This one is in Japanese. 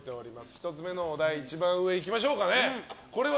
１つ目、一番上いきましょうかね。